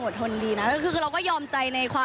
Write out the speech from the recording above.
กุ๊บกิ๊บขอสงวนท่าที่ให้เวลาเป็นเครื่องท่าที่สุดไปก่อน